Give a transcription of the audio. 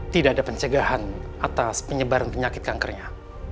tidak ada pencegahan atas penyebaran penyakit kankernya